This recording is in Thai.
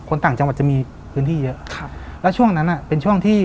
ต่างจังหวัดจะมีพื้นที่เยอะครับแล้วช่วงนั้นอ่ะเป็นช่วงที่